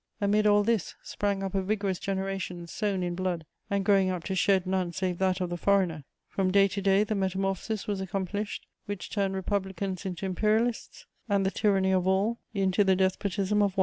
Amid all this, sprang up a vigorous generation sown in blood and growing up to shed none save that of the foreigner: from day to day, the metamorphosis was accomplished which turned Republicans into Imperialists and the tyranny of all into the despotism of one.